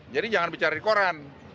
jadi jangan bicara di koran